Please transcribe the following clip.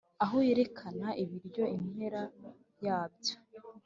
aho yerekana ibiryo impera yabyo